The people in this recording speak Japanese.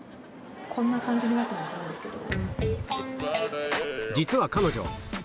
こんな感じになったりもするんですけど。